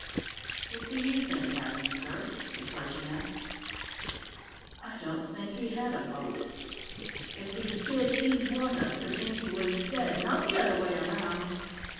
"What do you think happened, sir?" the sergeant asked. "I don't think he had a boat. If he did, he'd want us to think he was dead, not the other way around.